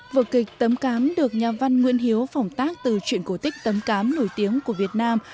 vở kịch tấm cám được nhà văn nguyễn hiếu phỏng tác từ chuyện cổ tích tấm cám nổi tiếng của việt nam